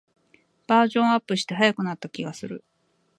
バージョンアップして速くなった気がする